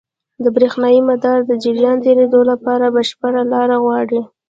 د برېښنا مدار د جریان د تېرېدو لپاره بشپړ لاره غواړي.